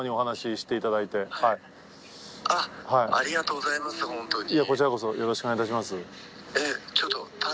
いやこちらこそよろしくお願いいたします。